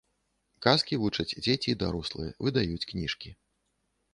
Казкі вучаць дзеці і дарослыя, выдаюць кніжкі.